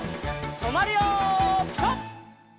とまるよピタ！